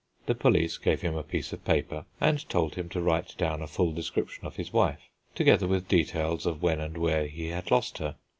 The police gave him a piece of paper, and told him to write down a full description of his wife, together with details of when and where he had lost her.